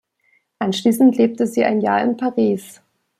Anschließend lebte sie ein Jahr in Paris.